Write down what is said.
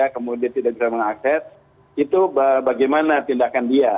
kemudian tidak bisa mengakses itu bagaimana tindakan dia